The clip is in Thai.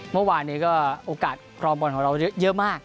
เมื่อวานนี้ก็โอกาสครองบอลของเราเยอะมาก